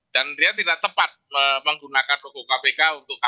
dan dia tidak tepat menggunakan logo kpk untuk kasih